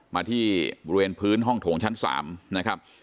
มาที่บริเวณพื้นห้องโถงชั้น๓นะครับ